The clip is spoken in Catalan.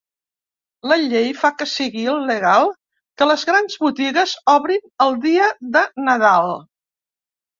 La llei fa que sigui il·legal que les grans botigues obrin el dia de Nadal.